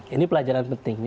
ini pelajaran penting